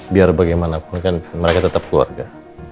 biar bagaimanapun kan mereka tetap keluarga